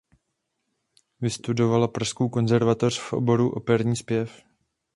Vystudovala Pražskou konzervatoř v oboru "Operní zpěv".